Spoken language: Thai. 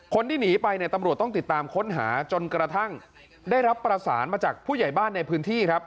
คนที่หนีไปเนี่ยตำรวจต้องติดตามค้นหาจนกระทั่งได้รับประสานมาจากผู้ใหญ่บ้านในพื้นที่ครับ